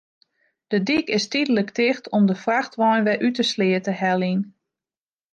De dyk is tydlik ticht om de frachtwein wer út de sleat te heljen.